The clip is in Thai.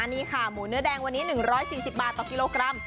นี่ค่ะหมูเนื้อแดงวันนี้๑๔๐บาทต่อกิโลกรัม